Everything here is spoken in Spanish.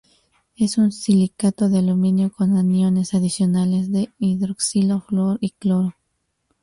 Es un silicato de aluminio con aniones adicionales de hidroxilo, flúor y cloro.